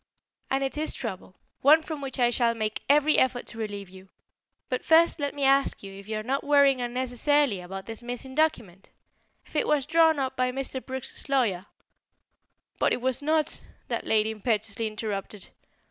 "And it is trouble; one from which I shall make every effort to relieve you. But first let me ask if you are not worrying unnecessarily about this missing document? If it was drawn up by Mr. Brooks's lawyer " "But it was not," that lady impetuously interrupted.